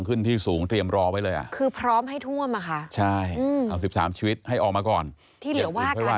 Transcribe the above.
สิ่งสำคัญที่สุดตอนนี้คือ